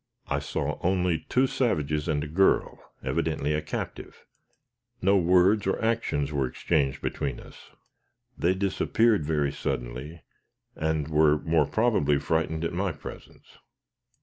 I saw only two savages, and a girl, evidently a captive; no words or actions were exchanged between us. They disappeared very suddenly and were, more probably, frightened at my presence.